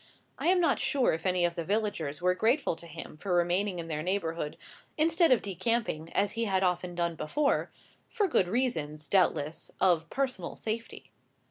I am not sure if any of the villagers were grateful to him for remaining in their neighbourhood, instead of decamping as he had often done before, for good reasons, doubtless, of personal safety.